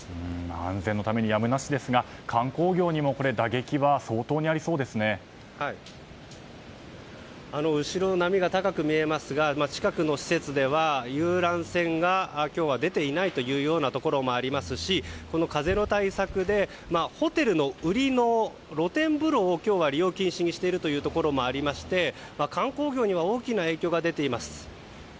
安全のためにやむなしですが観光業にも後ろの波が高く見えますが近くの施設では、遊覧船が今日は出ていないというところもありますしこの風の対策でホテルの売りの露天風呂を今日は利用禁止にしているところもありまして観光業には大きな影響が出ています。